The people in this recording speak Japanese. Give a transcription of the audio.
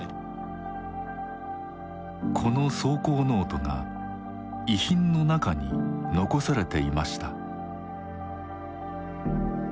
この草稿ノートが遺品の中に残されていました。